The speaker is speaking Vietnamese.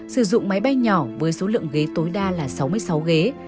sử dụng máy bay nhỏ với số lượng ghế tối đa là sáu mươi sáu ghế